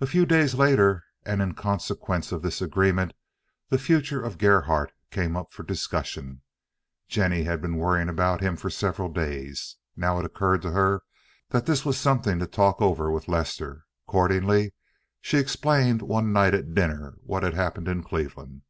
A few days later, and in consequence of this agreement, the future of Gerhardt came up for discussion. Jennie had been worrying about him for several days; now it occurred to her that this was something to talk over with Lester. Accordingly, she explained one night at dinner what had happened in Cleveland.